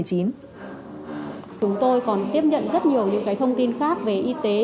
chúng tôi còn tiếp nhận rất nhiều những thông tin khác về y tế